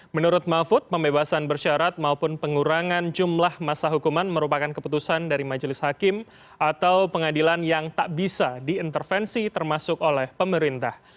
menurut mahfud pembebasan bersyarat maupun pengurangan jumlah masa hukuman merupakan keputusan dari majelis hakim atau pengadilan yang tak bisa diintervensi termasuk oleh pemerintah